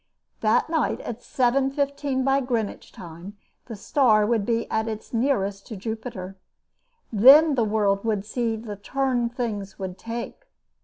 That night, at seven fifteen by Greenwich time, the star would be at its nearest to Jupiter. Then the world would see the turn things would take.